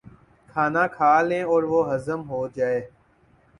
کھانا کھا لیں اور وہ ہضم ہو جائے۔